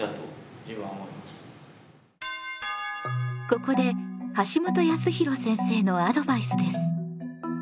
ここで橋本康弘先生のアドバイスです。